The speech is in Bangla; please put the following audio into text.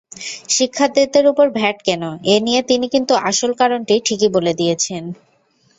শিক্ষার্থীদের ওপর ভ্যাট কেন—এ নিয়ে তিনি কিন্তু আসল কারণটি ঠিকই বলে দিয়েছেন।